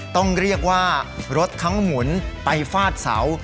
ต้องเรียกว่ารถทั้งหมุนไปฟาดเสา